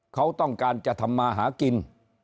เขาต้องการจะทำมาหากิน